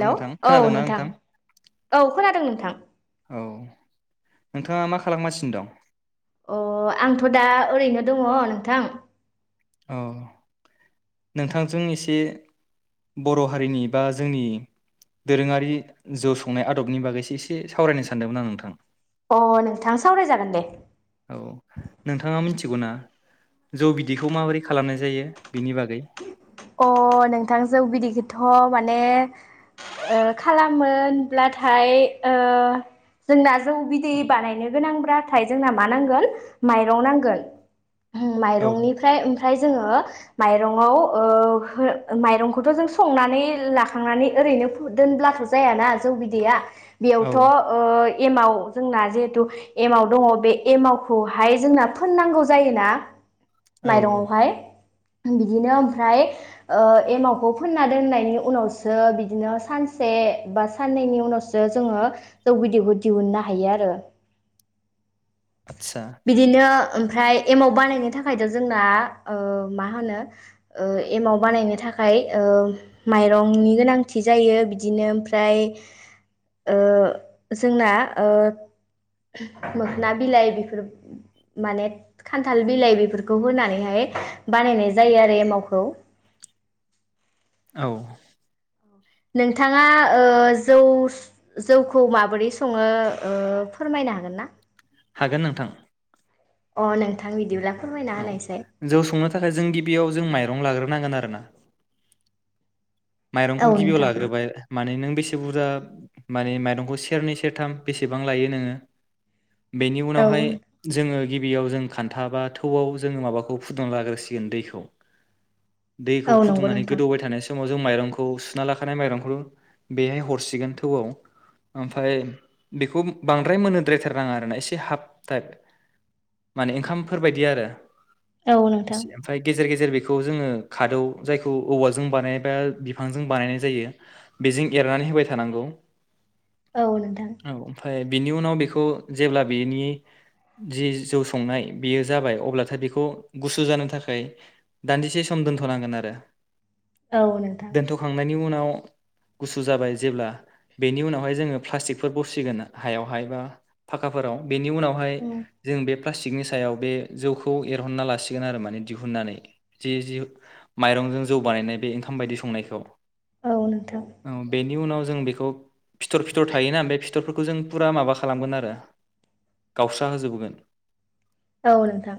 हेल' औ नोंथां औ खोनादों नों थां औ नोंथाङा मा खालामगासिनो दं? अ आंथ' दा ओरैनो दङ नोंथां औ नोंथांजों एसे बर' हारिनि बा जोंनि दोरोङारि जौ संनाय आदबनि बागैसो एसे सावरायनो सानदोंमोन आं नोंथां अ नोंथां सावरायजागोन दे औ नोंथाङा मिथिगौ ना जौ बिदैखौ माबोरै खालामनाय जायो बिनि बागै अ नोंथां जौ बिदैखौथ' माने ओ खालामोनब्लाथाय ओ जोंना जौ बिदै बानायनो गोनांब्लाथाय जोंना मा नांगोन माइरं नांगोन औ माइरंनिफ्राय ओमफ्राय जोङो माइरङाव ओ माइरंखौथ' जों संनानै लाखांनानै ओरैनो दोनब्लाथ' जायाना जौ बिदैया औ बेयावथ' ओ एमाव जोंना जिहेथु एमाव दङ बे एमाव खौहाय जोंना फोननांगौ जायोना औ औ माइरंआवहाय बिदिनो ओमफ्राय ओ एमावखौ फोनना दोननायनि उनावसो बिदिनो सानसे बा साननैनि उनावसो जोङो जौ बिदखौ दिहुननो हायो आरो आदसा बिदिनो ओमफ्राय एमाव बानायनो थाखायथ' जोंना ओ मा होनो ओ एमाव बानायनो थाखाय ओ माइरंनि गोनांथि जायो बिदिनो ओमफ्राय ओ जोंना ओ मोखोना बिलाइ बेफोर माने खान्थाल बिलाइ बेफोरखौ होनानैहाय बानायनाय जायो आरो एमावखौ। औ नोंथाङा ओ जौ जौखौ माबोरै सङो फोरमायनो हागोन ना? हागोन नोंथां अ नोंथां बिदिब्ला फोरमायना औ होनायसाय जौ संनो थाखाय जों गिबियाव जों माइरं लाग्रोनांगोन आरो ना औ माइरंखौ गिबियाव नोंथां लाग्रोबाय माने नों बेसे बुरजा मानिे माइरंखौ सेरनै सेरथाम बेसेबां लायो नोङो बेनि औ उनावहाय जोङो गिबियाव जों खान्था बा थौआव जोङो माबाखौ फुदुंना लाग्रोसिगोन दैखौ दैखौ औ नंगौ फुदुंनानै नोंथां गोदौबाय थानाय समाव जों माइरंखौ सुना लाखानाय माइरंखौ बेहाय हरसिगोन थौआव ओमफफ्राय बेखौ बांद्राय मोनोद्रायथारनााङा आरोना एसे हाफ टाइप माने ओंखामफोरबायायदि आरो औ नोंथां ओमफ्राय गेजेर गेजेर बे बेखौ जो खादौ जायखौ औवा जों बानाय बा बिफांजों बानायनाय जायो बेजों एरनानै होबाय थानांगौ औ नोंथां औ ओमफ्राय बिनि उनाव बेखौ जेब्ला बिनि जि जौ संनाय बेयो जाबाय अब्लाथाय बेखौ गुसु जानो थाखाय दान्दिसे सम दोनथ'नांगोन आरो औ नोंथां दोनथ'खांनायनि उन उनाव गुसु जाबाय जेब्ला बेनि उनावहाय जोङो प्लास्टिकफोर बसिगोन हायावहाय बा फाखाफोराव बेनि उनावहाय औ जों बे प्लासटिकनि सायाव बे जौखौ एरनना लासिगोन आरो माने दिहुननानै जे‌ जे‌ माइरंजों जौ बानायनाय बे ओंखाम ओंखाम बायदि संनायखौ औ नोंथां औ बेनि उनाव जों बेखौ फिथर फिथर थायोना बे फि थरफोरखौ जों फुरा माबा खालामगोन आरो गावस्रा होजोबबोगोन औनोथां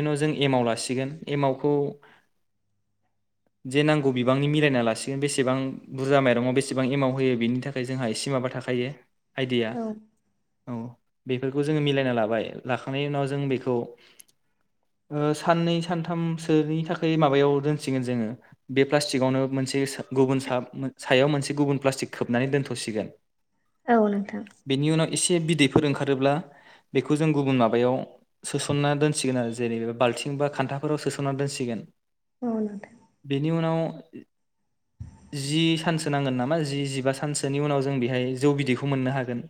उनाव जों एमाव लासिगोन एमावखौ जि नांगौ बिबांनि मिलायना लासिगोन बेसेबां बुरजा माइरङाव बेसेबां एमाव होयो बेनि थाखाय जोंहा एसे माबा थाखायो आइडिया औ औ बेफोरखौ जोङो मिलायना लाबाय लाखांनायनि उनाव जों बेखौ ओ साननै सानथामसोनि थाखाय माबायाव दोनसिगोन जोङो बे प्लास्टिकआवनो मोनसे गुबुन सा सायाव मोनसे गुबुन प्लास्टिक खोबनानै दोनथ'सिगोन। औ नोंथां बेनि उनाव एसे बिदैफोर ओंखारोब्ला बेखौ जों गुबुन माबायाव सोसनना दोनसिगोन आरो जेरै बाल्थिं बा खानथाफोराव सोसनना दोनसिगोन। [unintelligible] बेनि उनाव जि सानसो नांगोन नामा जि जिबा सानसोनि उनाव जों बेहाय जौ बिदैखौ मोननो हागोन।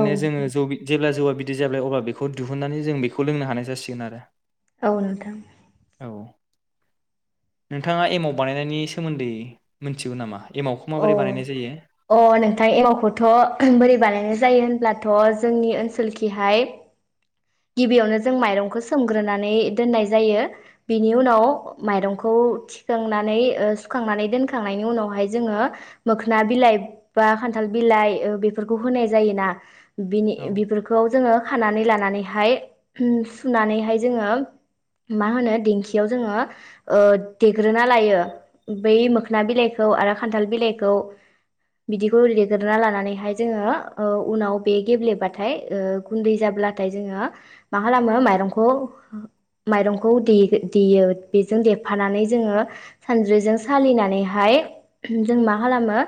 औ जोङो जौ बि जेब्ला [unintelligible] जौवा बिदि जाबाय अब्ला बेखौ दिहुननानै जों बेखौ लोंनो हानाय जासिगोन आरो औ नोंथां औ नोंथाङा एमाव बानायनायनि सोमोनदै मिथिगौ नामा? एमावखौ अ माबोरै बानायनाय जायो अ नोंथां एमावखौथ' बोरै बानायनाय जायो होनब्लाथ' जोंनि ओनसोलखिहाय गिबियावनो जों माइरंखौ सोमग्रोनानै दोननाय जायो बेनि उनाव माइरंखौ थिखांनानै ओ सुखांनानै दोनखांनायनि उनावहाय जोङो मोखोना बिलाइ बा खान्थाल बिलाइ बेफोरखौ होनाय जायोना बिनि औ बेफोरखौ जोङो खानानै लानानै हाय उम सुनानैहाय जोङो मा होनो दिंखियाव जोङो ओ देग्रोना लायो बै मोखना बिलाइखौ आरो खानथाल बिलाइखौ बिदिखौ देग्रोना लानानैहाय जोङो ओ उनाव बे गेब्लेबाथाय गुन्दै जाब्लाथाय जोङो मा खालामो माइरंखौ माइरंखौ दे देयो बेजों देफानानै जोङो सानज्रिजों सालिनानैहाय जों मा खालामो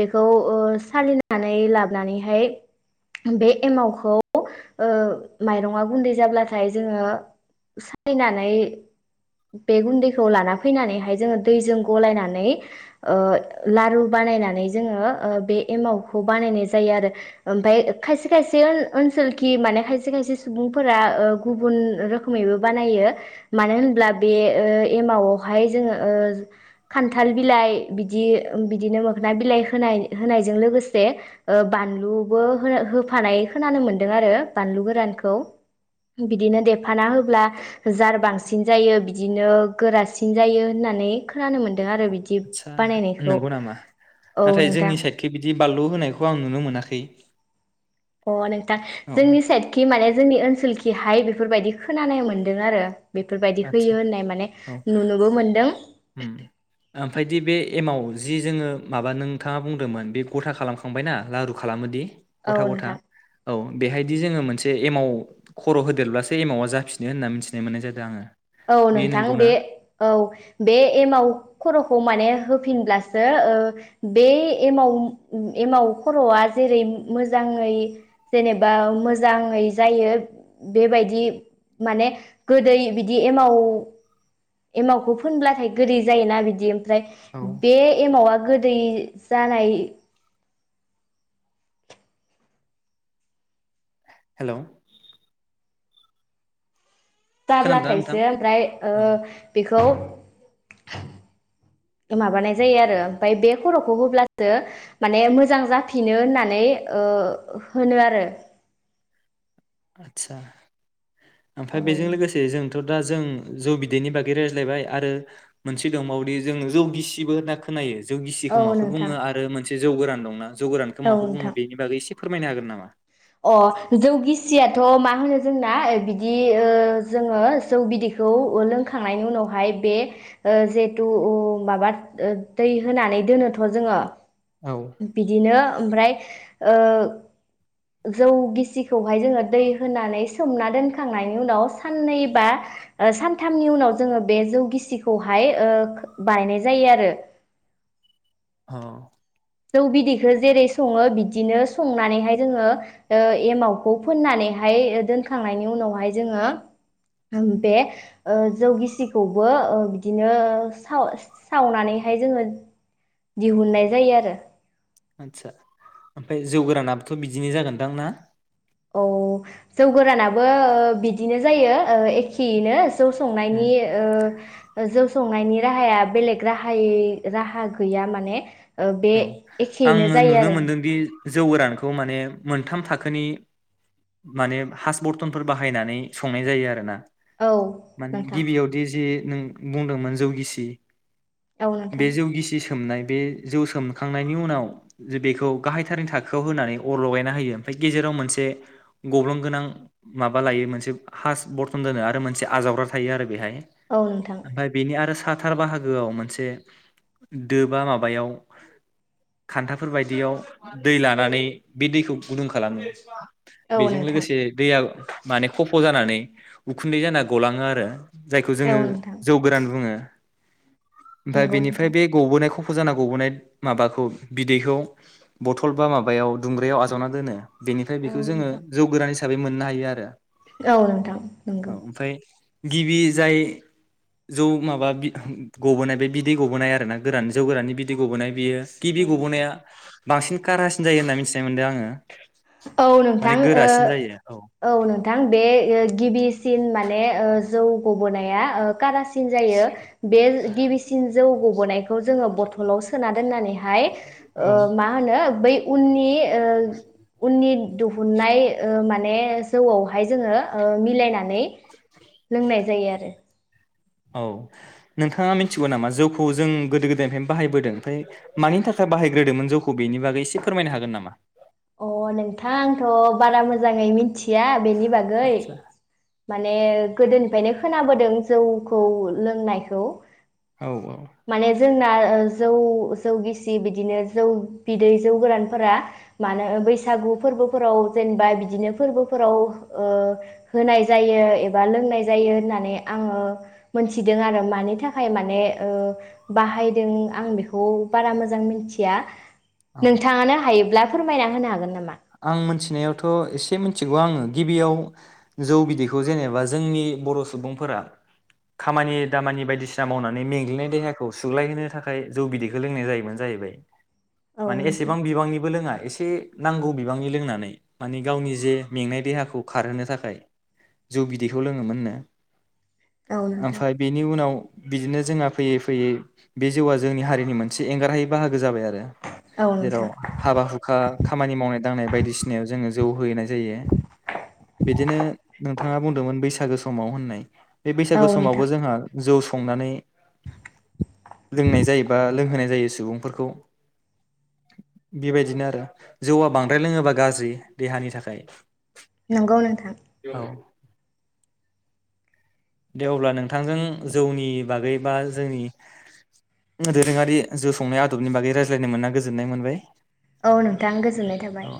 बेखौ ओ सालिनानै लाबोनानैहाय बे एमावखौ ओ माइरङा गुन्दै जाब्लाथाय जोङो सायनानै बे गुन्दैखौ लाना फैनानैहाय जोङो दैजों गलायनानै ओ लारु बानायनानै जोङो ओ बे एमावखौ बानायनाय जायो आरो ओमफ्राय खायसे खायसे ओनसोलखि माने खायसे खायसे सुबुंफोरा ओ गुबुन रोखोमैबो बानायो मानो होनब्ला बे ओ एमावआवहाय जोङो ओ खानथाल बिलाइ बिदि बिदिनो मोखोना बिलाइ होनाय होनायजों लोगोसे बानलुबो होफानाय खोनानो मोनदों आरो बानलु गोरानखौ बिदिनो देफाना होब्ला जार बांसिन जायो बिदिनो गोरासिन जायो होननानै खोनानो मोन दों आरो बिदि आदसा बानायनायखौ नंगौ नामा औ नाथाय नोंथां जोंनि साइडखै बिदि बानलु होनायखौ आं नुनो मोनाखै अ नोंथां औ जोंनि साइदखि माने जोंनि ओनसोलखि हाय बेफोरबायदि खोनानो मोनदों आरो बेफोरबायदि आदसा होयो होननाय माने औ नुनोबो मोनदों। उम ओमफायदि बे एमाव जि जोङो माबा नोंथाङा बुंदोंमोन बे गथा खालामखांबाय ना लारु खालामोदि औ गथा गथा नोंथां औ बेहायदि जोङो मोनसे एमाव खर' होदेरब्लासो एमावा जाफिनो होनना मिथिनाय मोननाय जादों आङो औ नोंथां बे औ बे एमाव खर'खौ माने होफिनब्लासो ओ बे एमाव एमाव खर'आ जेरै मोजाङै जेनेबा मोजाङै जायो बेबायदि माने गोदै बिदि एामाव एमावखौ फोनब्लाथाय गोदै जायोना बिदि औ [unintelligible] बे एमावा गो दै जानाय हेल' नोंथां जाब्लाथायसो ओमफ्राय औ ओ बेखौ हेलौ [inaudible] माबानाय जायो आरो ओमफ्राय बे खर'खौ होब्लासो माने मोजां जाफिनो होननानै ओ होनो आरो आतसा ओमफ्राय औ बेजों लोगोसे जों थ' दा जों जौ बिदैनि बागै रायज्लायबाय आरो मोनसे दंबावदि जों जौ गिसिबो होनना खोनायो जौ गिसिखौ औ माखौ नोंथां बुङो आरो एसे जौ गोरान दंना? जौ गोरानखौ औ माखौ नोंथां बुंङो बेनि बागै एसे फोरमायनो हागोन नामा? अ जौ गिसियाथ' मा होनो जोंना बिदि ओ जोंङो जौ बिदैखौ लोंखांनायनि उनावहाय बे जेहेथु माबा दै होनानै दोनोथ' जोंङो औ बिदिनो ओमफ्राय ओ जौ गिसिखौहाय जोंङो दै होनानै सोमना दोनखांनायनि उनाव साननै बा सानथामनि उनाव जोंङो बे जौ गिसिखौहाय ओ बायनाय जायो आरो हो जौ बिदैखौ जेरै संङो बिदिनो संनानैहाय जोंङो ओ एमावखौ फोननानैहाय दोनखांनायनि उनावहाय जोंङो बे जौ गिसिखौबो बिदिनो साव सावनानैहाय जोंङो दिहुननाय जायो आरो आदसा ओमफ्राय जौ गोरानाबोथ' बिदिनो जागोनदां ना औ जौ गोरानाबो ओ बिदिनो जायो ओ एखेयैनो जौ उम संनायनि ओ जौ संनायनि राहाया बेलेग राहायै राहा गैया माने ओ बे औ एखेयैनो आंङो जायो नुनो आरो मोनदोंदि जौ गोरानखौ माने मोनथाम थाखोनि माने हास बरथनफोर बाहायनानै संनाय जायो आरो ना औ माने नोंथां गिबियावदि जे नों बुंदोंमोन जौगिसि औ बे नोंथां जौ गिसि सि सोमनाय दो जौ सोमखांनायनि उनाव जुदि बेखौ गाहायथारनि थाखोआव होनानै अर लगायना होयो ओमफ्राय गेजेराव मोनसे गब्लं गोनां माबा लायो मोनसे हास बरथन दोनो आरो मोनसे आजावग्रा थायो आरो बेहाय औ नोंथां ओमफ्राय बिनि आरो सा हाथार बाहागोआव मोनसे दोबा माबायाव खान्थाफोर बायदियाव दै लानानै बे दैखौ गुदुं खालामो औ बेजों नोंथां लोगोसे दैया माने खफ' जानानै उखुन्दै जाना गलांङो आरो जायखौ जोंङो औ नोंथां जौ गोरान बुङो। ओमफ्राय नंगौ बेनिफ्राय नोंथां बे गबोनायखौ खफ फुजाना गबोनाय माबाखौ बिदैखौ बथल बा माबायाव दुंग्रियाव आजावना दोनो बेनिफ्राय औ बेखौ जोंङो नोंथां जौ गोरान हिसा हिसाबै मोननो हायो आरो औ नोंथां नंगौ। औ ओमफ्राय गिबि जाय जौ माबा गबोनाय बे बिदै गबोनाय आरो ना गोरान जौ गोराननि बिदै गबोनाय बियो औ गिबि नोंथां गबोनाया बांसिन कारासिन जायो होनना मिथिनाय मोनदों आङो। औ माने नोंथां ओ गोरासिन जायो औ नोंथां बे ओ गिबिसिन माने ओ जौ गबोनाया ओ कारास सिन जायो बे गिबिसिन जौ गबोनायखौ जोङो बथलाव सोना दोननानैहाय औ ओ मा होनो बै उननि ओ नि दुहुननाय ओ माने जौआवहाय जोङो ओ मिलायनानै लोंनाय जायो आरो। औ नोंथाङा मिथिगौ नामा जौखौ जों गोदो गोदायनिफ्रायनो बाहायबोदों ओमफ्राय मानि थाखाय बाहायग्रोदोंमोन जौखौ बेनि बागै एसे फोरमायनो हागोन नामा? अ नोंथां आंथ' बारा मोजाङै मिथि थिया बेनि बागै माने गोदोनिफ्रायनो खोनाबोदों जौखौ लोंनायखौ औ माने जोंना ओ जौ जौ गिसि बिदिनो जौ बिदै जौ गोरानफोरा मानो बैसागु फोरबोफोराव जेनेबा बिदिनो फोरबोफोराव ओ होनाय जायो एबा लोंनाय जायो होननानै आङो मोनथिदों आरो मानि थाखाय माने ओ बाहायदों आं बेखौ बारा मोजां मिथिया। नोंथाङानो हायोब्ला फोरमायना होनो हागोन नामा? आं मोनथिनायावथ' एसे मिथिगौ आङो गिबियाव जौ बिदैखौ जेनेबा जोंनि बर' सुबुंफोरा खामानि दामानि बायदिसिना मावनानै मेंग्लिनाय देहाखौ सुग्लायहोनो थाखाय जौ बिदैखौ लोंनाय जायोमोन जाहैबाय। औ माने नोंथां एसेबां बिबांनिबो लोङा। एसे नांगौ बि बांनि लोंनानै माने गावनि जे मेंनाय देहाखौ खारहोनो थाखाय जौ बिदैखौ लोङोमोननो। औ नोंथां ओमफाय बेनि उनाव बिदिनो जोंहा फैयै फैयै बे जौआ जोंनि हारिनि मोनसे एंगारहायै बाहागो जाबाय आ रो औ जेराव नोंथां हाबा हुखा खामानि मावनाय नाय बायदिसिनायाव जोङो जौ हैनाय जायो बिदिनो नोंथाङा बुंदोंमोन बैसागो समाव होननाय बे औ बैसागो समावबो नोंथां जोंहा जौ संनानै लोंनाय जायो बा लोंहोनाय जायो सुबुंफोरखौ बिबायदिनो आरो जौवा द्राय लोङोबा गाज्रि। देहानि थाखाय। नंगौ नोंथां। औ दे अब्ला नोंथांजों जौनि बागै बा जोंनि दोरोङारि जौ संनाय आदबनि बागै रायज्लायनो मोनना गोजोननाय मोनबाय। औ नोंथां गोजोननाय थाबाय।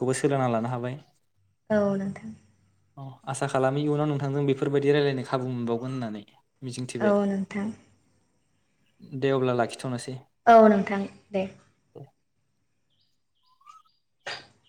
खौबो सोलोंना लानो हाबाय। औ नोंथां। अ आसा खालामो इयुनाव नोंथांजों बेफो फोरबायदि रायलायनो खाबु मोनबावगोन होननानै। मिजिंथिबाय औ नोंथां दे अब्ला लाखिथ'नोसै औ नोंथां दे [inaudible]